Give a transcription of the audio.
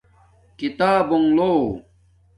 کتابونݣ لو